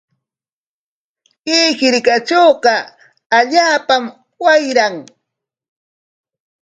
Chay hirkatrawqa allaapam wayran.